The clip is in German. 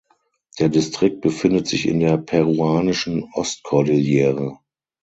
Der Distrikt befindet sich in der peruanischen Ostkordillere.